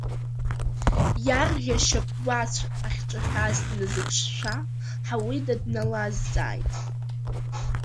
Иарӷьа шьапгәацә ахьҿаҳәаз дназыԥшшәа, Ҳауида дналазҵааит.